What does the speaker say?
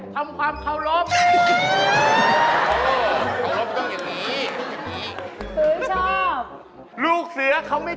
ทำอะไรน้องทำอะไร